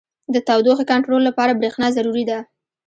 • د تودوخې کنټرول لپاره برېښنا ضروري ده.